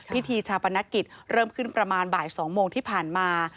พิธีชาปนกิจเริ่มขึ้นประมาณบ่าย๒โมงที่ผ่านมา